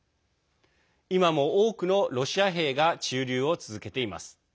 今も多くのロシア兵が駐留を続けています。